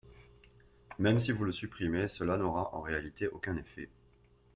Même si vous le supprimez, cela n’aura en réalité aucun effet.